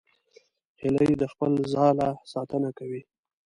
هیلۍ د خپل ځاله ساتنه کوي